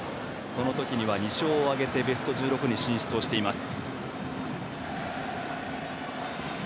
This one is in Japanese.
そのときには２勝を挙げてベスト１６に進出しています。